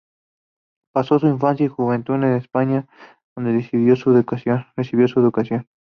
Pasó su infancia y juventud en España, donde recibió su educación.